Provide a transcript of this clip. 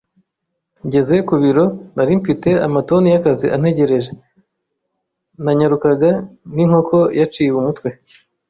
Ngeze ku biro, nari mfite amatoni y'akazi antegereje. Nanyarukaga nkinkoko yaciwe umutwe.